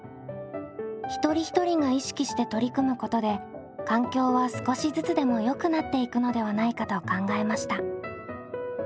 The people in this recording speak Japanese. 一人一人が意識して取り組むことで環境は少しずつでもよくなっていくのではないかと考えました。